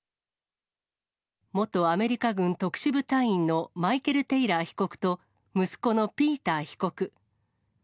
元アメリカ軍特殊部隊員のマイケル・テイラー被告と、息子のピーター被告。